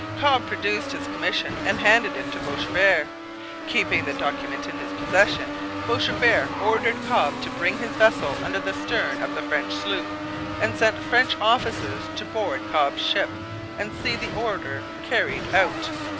Cobb produced his commission and handed it to Boishebert. Keeping the document in his possession, Boishebert ordered Cobb to bring his vessel under the stern of the French sloop, and sent French officers to board Cobb's ship and see the order carried out.